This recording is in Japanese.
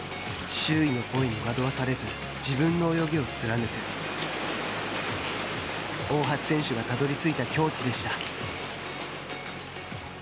周囲の声に惑わされず自分の泳ぎを貫く大橋選手がたどりついた境地でした。